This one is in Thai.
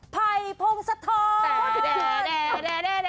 ไพพงศ์สะท้อน